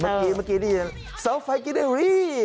เมื่อกี้นี่ซอฟต์ไฟล์กินได้หรือ